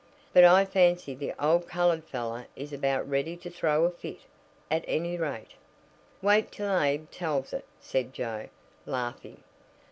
"But I fancy the old colored fellow is about ready to 'throw a fit,' at any rate." "Wait till Abe tells it," said Joe, laughing.